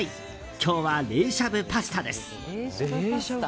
今日は冷しゃぶパスタです。